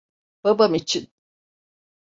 Babam için.